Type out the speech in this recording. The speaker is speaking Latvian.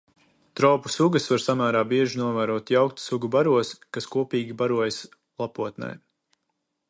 Tropu sugas var samērā bieži novērot jauktu sugu baros, kas kopīgi barojas lapotnē.